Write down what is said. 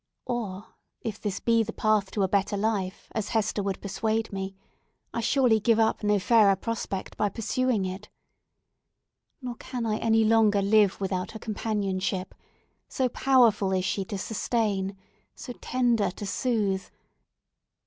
Or, if this be the path to a better life, as Hester would persuade me, I surely give up no fairer prospect by pursuing it! Neither can I any longer live without her companionship; so powerful is she to sustain—so tender to soothe!